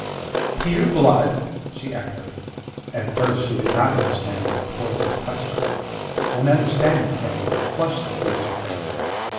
"Peter Blood?" she echoed. At first she did not understand the purport of his question. When understanding came, a flush suffused her face.